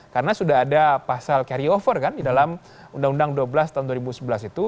karena sudah ada pasal carryover kan di dalam undang undang dua ribu dua belas dua ribu sebelas itu